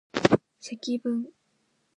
積分